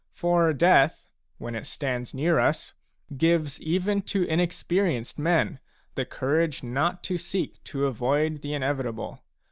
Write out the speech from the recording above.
For death, when it stands near us, gives even to inexperienced men the courage not to seek to avoid the inevitable.